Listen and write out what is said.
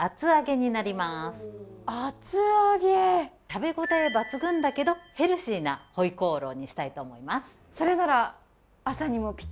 食べ応えは抜群だけどヘルシーなホイコーローにしたいと思います。